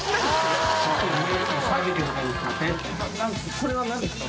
それは何ですか？